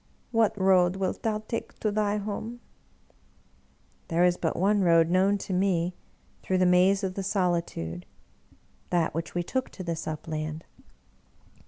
What road wilt thou take to thy home ?"" There is but one road known to me through the maze of the solitude — that which we took to this upland."